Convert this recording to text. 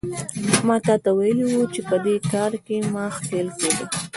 ما تاته ویلي وو چې په دې کار کې مه ښکېل کېږه.